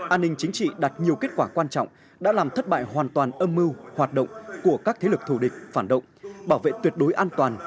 an ninh chính trị đạt nhiều kết quả quan trọng đã làm thất bại hoàn toàn âm mưu hoạt động của các thế lực thù địch phản động bảo vệ tuyệt đối an toàn